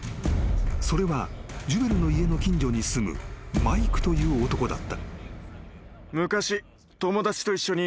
［それはジュエルの家の近所に住むマイクという男だった］